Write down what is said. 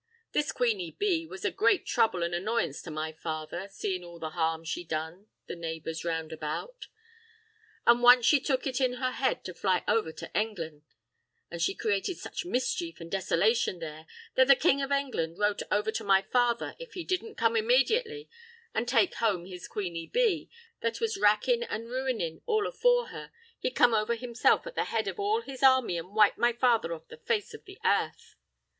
This queeny bee was a great trouble an' annoyance to my father, seein' all the harm she done the naybors round about; and once she took it in her head to fly over to Englan', an' she created such mischief an' desolation there that the King of Englan' wrote over to my father if he didn't come immaidiately an' take home his queeny bee that was wrackin' an' ruinin' all afore her he'd come over himself at the head of all his army and wipe my father off the face of the airth.